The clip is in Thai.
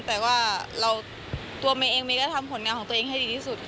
แต่ว่าตัวเมย์เองเมย์ก็ทำผลงานของตัวเองให้ดีที่สุด